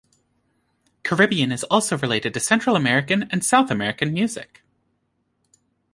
Caribbean is also related to Central American and South American music.